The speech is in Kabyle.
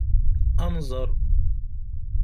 Ad nẓer.